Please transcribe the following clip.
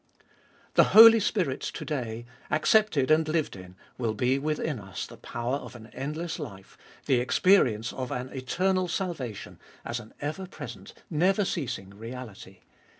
3. The Holy Spirit's To day, accepted and lived in, will be within us the power of an endless life, the experience of an eternal salvation, as an ever present, never ceasing reality.